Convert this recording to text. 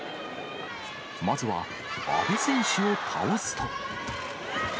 まずは阿部選手を倒すと。